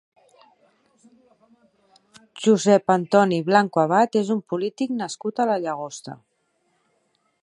Josep Antoni Blanco Abad és un polític nascut a la Llagosta.